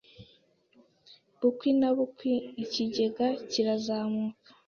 Bukwi na bukwi, ikigega kirazamuka.